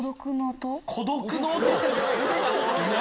孤独の音⁉何？